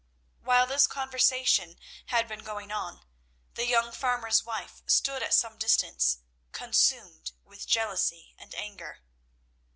'" While this conversation had been going on, the young farmer's wife stood at some distance, consumed with jealousy and anger.